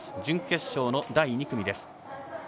準決勝の第２組です。